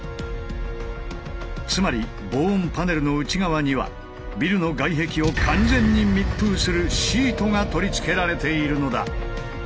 つまり防音パネルの内側にはビルの外壁を完全に密封するシートが取り付けられているのだ！